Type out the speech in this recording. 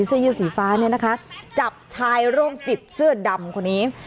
เสื้อยืดสีฟ้าเนี่ยนะคะจับชายโรคจิตเสื้อดำคนนี้